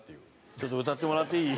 ちょっと歌ってもらっていい？